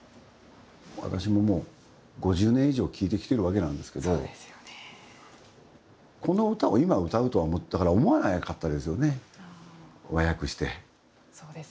私も、もう５０年以上聴いてきてるわけなんですけどこの歌を今歌うとは思わなかったですよね、和訳して。